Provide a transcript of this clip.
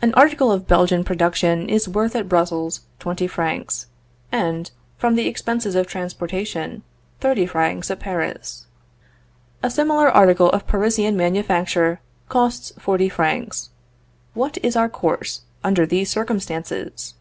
An article of Belgian production is worth at Brussels twenty francs, and, from the expenses of transportation, thirty francs at Paris. A similar article of Parisian manufacture costs forty francs. What is our course under these circumstances?